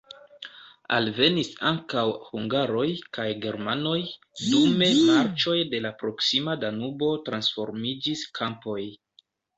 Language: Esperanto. Alvenis ankaŭ hungaroj kaj germanoj, dume marĉoj de la proksima Danubo transformiĝis kampoj.